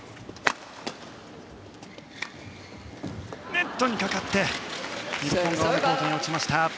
ネットにかかって日本コートに落ちました。